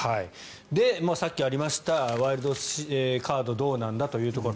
さっきもありましたワイルドカードどうなんだというところ。